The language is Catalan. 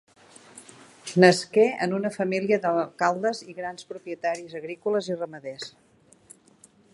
Nasqué en una família d'alcaldes i grans propietaris agrícoles i ramaders.